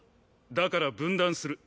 だから分断する。